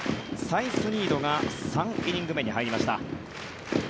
サイスニードが３イニング目に入りました。